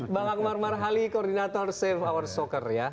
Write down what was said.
bang akmar marhali koordinator save our soccer ya